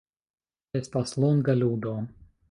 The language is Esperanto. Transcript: Estas longa ludo.